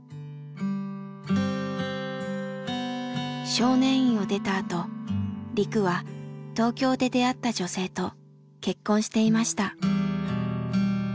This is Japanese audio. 少年院を出たあとリクは東京で出会った女性と結婚していました。